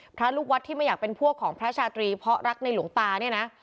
พระลูกวัดที่ไม่อยากเป็นพวกของพระชาตรีเพราะรักในหลวงตาเนี่ยนะ